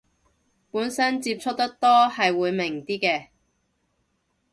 本身接觸得多係會明啲嘅